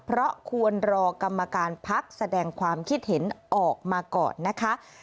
เพราะควรรอกรรมการพักแสดงความคิดเห็นออกมาก่อนนะคะ